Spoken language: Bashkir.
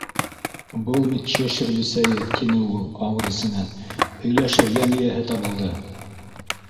—Был бит Чешир Бесәйе, —тине ул ауыҙ эсенән. —һөйләшер йән эйәһе табылды!